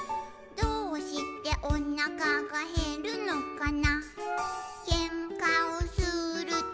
「どうしておなかがへるのかな」